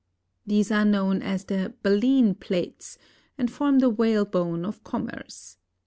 These are known as the baleen plates and form the whalebone of commerce.